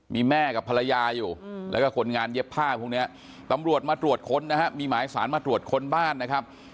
มีแม่กับภรรยาอยู่แล้วก็คนงานเย็บผ้าพวกนี้ตำรวจมาตรวจค้นนะฮะมีหมายสารมาตรวจค้นบ้านนะครับ